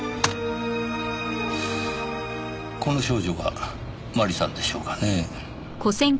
この少女が麻里さんでしょうかね？